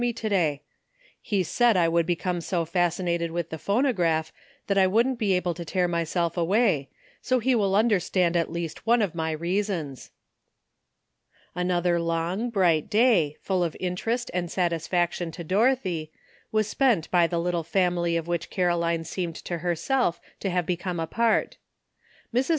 a«l me to day. He said I would become so fasci nated with the phonograph that I wouldn't be able to tear myself away, so he will understand at least one of my reasons." Another long bright day, full of interest and satisfaction to Dorothy, was spent by the little family of which Caroline seemed to herself to have become a part. Mrs.